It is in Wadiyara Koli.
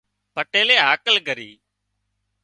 پٽيلئي هاڪل ڪرِي